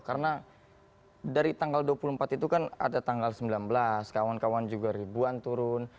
karena dari tanggal dua puluh empat itu kan ada tanggal sembilan belas kawan kawan juga ribuan turun